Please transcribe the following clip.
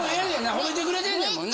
褒めてくれてんねんもんな？